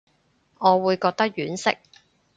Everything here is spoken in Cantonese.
我會覺得婉惜